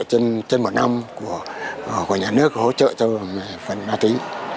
là trên một năm của nhà nước có hỗ trợ cho phần ma tuy